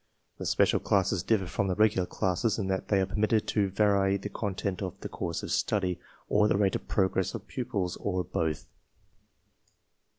These special classes differ from the regular classes in that they are permitted to vary the content of the course of study, or the rate of progress of pupils, or both.